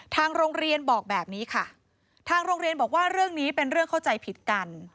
ทางโรงเรียนบอกแบบนี้ค่ะทางโรงเรียนบอกว่าเรื่องนี้เป็นเรื่องเข้าใจผิดกัน